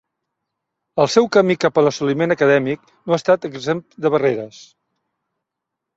El seu camí cap a l'assoliment acadèmic no ha estat exempt de barreres.